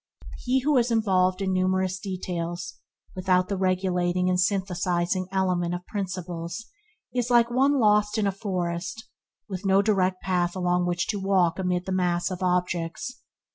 He who is involved in numerous details without the regulating and synthesizing element of principles is like one lost in a forest, with no direct path along which to walk amid the mass of objects.